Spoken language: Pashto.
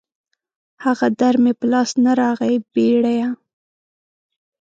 هغه در مې په لاس نه راغی بېړيه